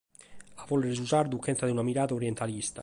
A bòlere su sardu chentza de una mirada orientalista.